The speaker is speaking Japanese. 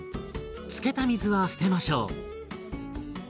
つけた水は捨てましょう。